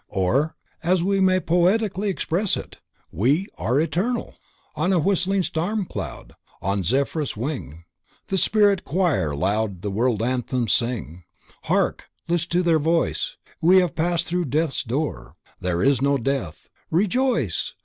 _ Or, as we may poetically express it: WE ARE ETERNAL. On whistling stormcloud; on Zephyrus wing, The Spirit choir loud the World anthems sing Hark! Lis't to their voice "we have passed through death's door There's no Death; rejoice!